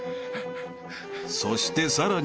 ［そしてさらに］